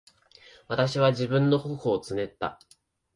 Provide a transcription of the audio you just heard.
私は自分の頬をつねった。